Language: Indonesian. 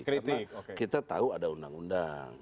karena kita tahu ada undang undang